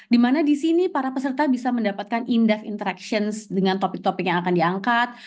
dimana disini para peserta bisa mendapatkan in depth interaction dengan topik topik yang akan diangkat